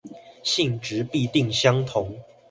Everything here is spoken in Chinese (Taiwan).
性質必定相同